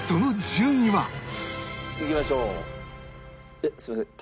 えっすいません。